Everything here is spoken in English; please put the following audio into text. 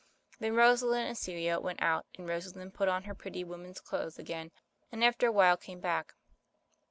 Then Rosalind and Celia went out, and Rosalind put on her pretty woman's clothes again, and after a while came back.